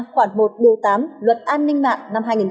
khoảng một đô tám luật an ninh mạng